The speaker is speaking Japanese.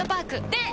で！